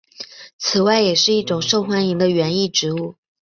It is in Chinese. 此外也是一种受欢迎的园艺植物。